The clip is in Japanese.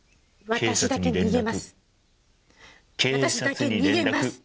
私だけ逃げます！